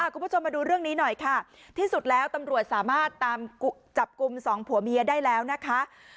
คุณผู้ชมมาดูเรื่องนี้หน่อยค่ะที่สุดแล้วตำรวจสามารถตามจับกลุ่มสองผัวเมียได้แล้วนะคะ